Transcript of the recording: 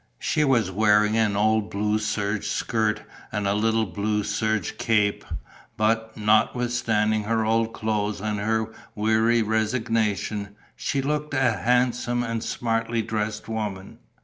She was wearing an old blue serge skirt and a little blue serge cape; but, notwithstanding her old clothes and her weary resignation, she looked a handsome and smartly dressed woman.